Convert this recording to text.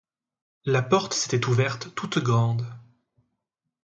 La porte s'était ouverte toute grande.